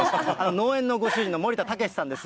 農園のご主人の森田剛史さんです。